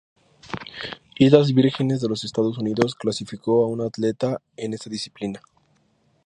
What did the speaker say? Islas Vírgenes de los Estados Unidos clasificó a un atleta en esta disciplina.